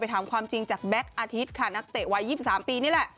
ถามความจริงจากแก๊กอาทิตย์ค่ะนักเตะวัย๒๓ปีนี่แหละ